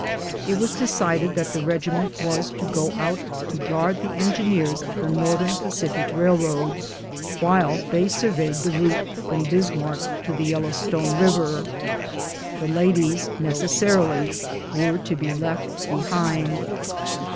It was decided that the regiment was to go out to guard the engineers of the Northern Pacific Railroad while they surveyed the route from Bismarck to the Yellowstone River. The ladies necessarily were to be left behind.